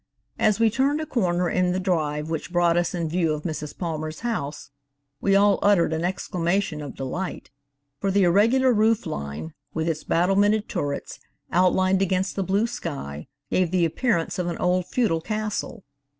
As we turned a corner in the drive which brought us in view of Mrs. Palmer's house, we all uttered an exclamation of delight, for the irregular roof line, with its battlemented turrets, outlined against the blue sky, gave the appearance of an old feudal castle.